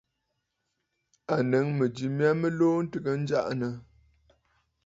À nɨ̌ŋ mɨ̀jɨ mya mɨ luu ntɨgə njaʼanə.